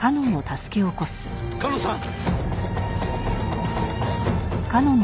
夏音さん！